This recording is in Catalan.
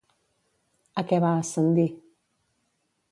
A què va ascendir?